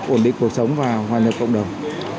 ổn định cuộc sống và hoàn hảo cộng đồng